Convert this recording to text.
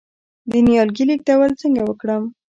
د نیالګي لیږدول څنګه وکړم؟